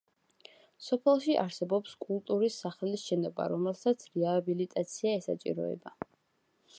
სოფელში არსებობს კულტურის სახლის შენობა, რომელსაც რეაბილიტაცია ესაჭიროება.